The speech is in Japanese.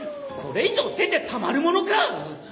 これ以上出てたまるものか！